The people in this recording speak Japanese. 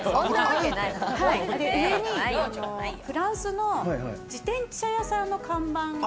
上にフランスの自転車屋さんの看板。